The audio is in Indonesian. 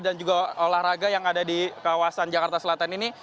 dan juga olahraga yang ada di kawasan jakarta selatan ini